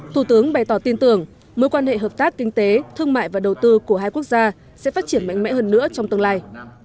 thủ tướng bày tỏ tin tưởng mối quan hệ hợp tác kinh tế thương mại và đầu tư của hai quốc gia sẽ phát triển mạnh mẽ hơn nữa trong tương lai